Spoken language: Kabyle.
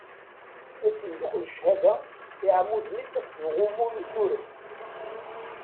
Asenduq n cchada, iɛmuden-is akked uɣummu n usuref.